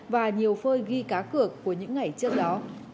và nhiều phơi ghi cá cược của những ngày trước đó